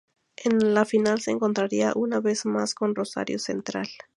En la final se encontraría una vez más con Rosario Central.